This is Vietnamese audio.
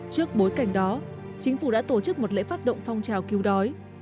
trước bối cảnh đó chính phủ đã tổ chức một lễ phát động phong trào cứu đói